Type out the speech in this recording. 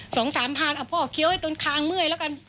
สองสามพันเอาพ่อเคี้ยวให้ตนคางเมื่อยแล้วกัน